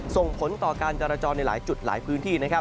ส่งผลต่อการจราจรในหลายจุดหลายพื้นที่นะครับ